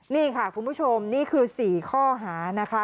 นี่ค่ะคุณผู้ชมนี่คือ๔ข้อหานะคะ